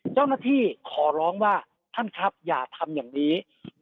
เจ้าหน้าที่ขอร้องว่าท่านครับอย่าทำอย่างนี้